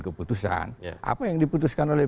keputusan apa yang diputuskan oleh